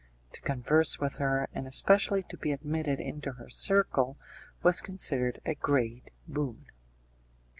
To converse with her, and especially to be admitted into her circle, was considered a great boon.